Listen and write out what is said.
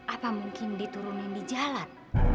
atau mungkin diturunin di jalan